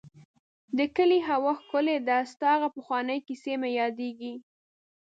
د کلي هوا ښکلې ده ، ستا هغه پخوانی کيسې مې ياديږي.